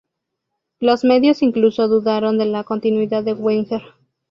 Los medios incluso dudaron de la continuidad de Wenger.